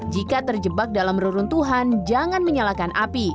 jika terjebak dalam reruntuhan jangan menyalakan api